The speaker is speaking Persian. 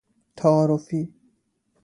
تعارفی